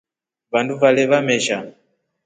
Vandu vale vamesha.